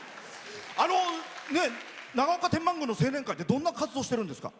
長岡天満宮の青年会ってどんな活動をしてるんですか？